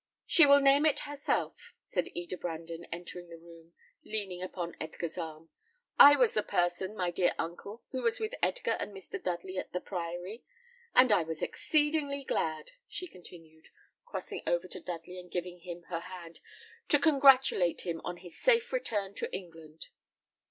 "She will name it herself," said Eda Brandon, entering the room, leaning upon Edgar's arm. "I was the person, my dear uncle, who was with Edgar and Mr. Dudley at the Priory; and I was exceedingly glad," she continued, crossing over to Dudley and giving him her hand, "to congratulate him on his safe return to England."